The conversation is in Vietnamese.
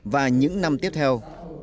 và những năm tiếp theo